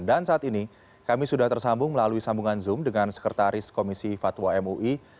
dan saat ini kami sudah tersambung melalui sambungan zoom dengan sekretaris komisi fatwa mui